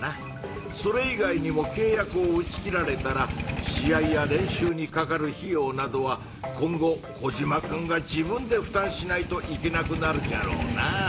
それ以外にもけい約を打ち切られたら試合や練習にかかる費用などは今後コジマくんが自分でふたんしないといけなくなるじゃろうなぁ。